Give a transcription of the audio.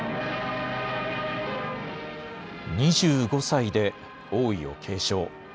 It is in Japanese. ２５歳で王位を継承。